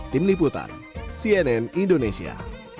tim liputan cnn indonesia